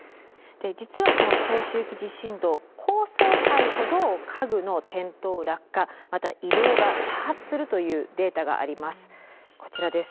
実はこの長周期地震動高層階ほど家具の転倒落下また移動が多発するというデータがあります。